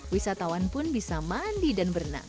wisatawan pun bisa mandi dan berenang